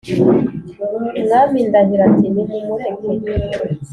” umwami ndahiro ati: “nimumureke